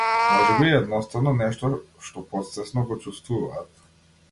Можеби е едноставно нешто што потсвесно го чувствуваат.